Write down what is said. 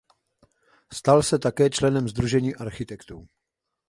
Stal se také členem Sdružení architektů.